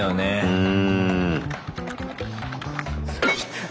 うん。